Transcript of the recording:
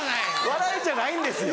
笑いじゃないんですよ。